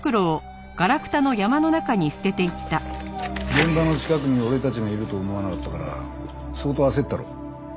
現場の近くに俺たちがいると思わなかったから相当焦ったろ？